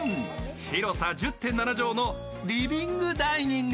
広さ１０．７畳のリビングダイニング。